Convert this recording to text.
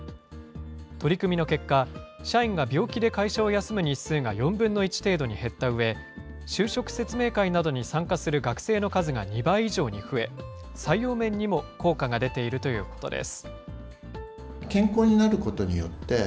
取り組みの結果、社員が病気で会社を休む日数が４分の１程度に減ったうえ、就職説明会などに参加する学生の数が２倍以上に増え、採用面にも効果が出ているということです。